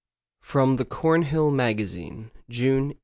(From the Cornhill Magazine, June 1868.)